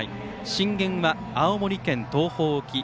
震源は青森県東方沖。